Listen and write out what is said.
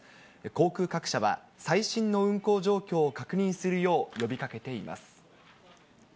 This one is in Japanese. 航空各社は、最新の運航状況を確認するよう呼びかけています。